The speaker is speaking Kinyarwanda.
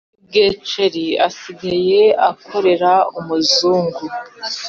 kibweceri asigaye akorera umuzungu